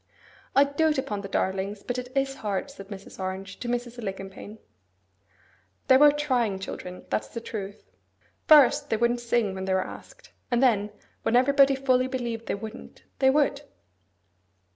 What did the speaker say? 'I dote upon the darlings; but it is hard,' said Mrs. Orange to Mrs. Alicumpaine. They were trying children, that's the truth. First, they wouldn't sing when they were asked; and then, when everybody fully believed they wouldn't, they would.